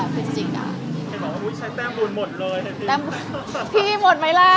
นี่แต้มบูรณ์หมดเลย